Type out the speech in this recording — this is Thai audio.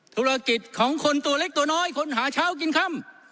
ธุรกิจของคนตัวเล็กตัวน้อยคนหาเช้ากินค่ำ